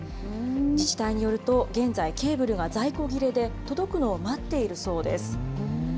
自治体によると現在、ケーブルが在庫切れで、届くのを待っているそうです。